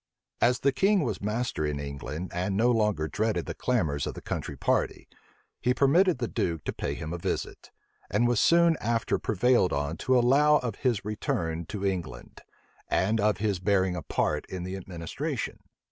{1682.} As the king was master in England, and no longer dreaded the clamors of the country party, he permitted the duke to pay him a visit; and was soon after prevailed on to allow of his return to England, and of his bearing a part in the administration.